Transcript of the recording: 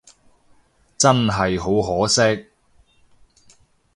真係好可惜